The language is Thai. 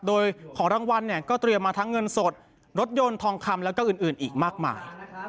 โดยของรางวัลเนี่ยก็เตรียมมาทั้งเงินสดรถยนต์ทองคำแล้วก็อื่นอีกมากมาย